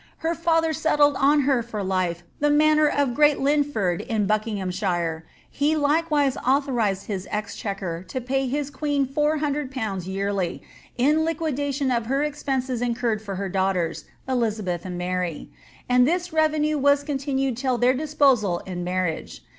Her father settled on her for life the manor of Great Lyndford in Buckinghamshire;' he likewise authorized his exchequer to pay his queen 400/. yearly, in liquidatioD of her expenses incurred for her daughters, Elizabeth and Mary; and this revenue was to be continued till their disposal in mar riage.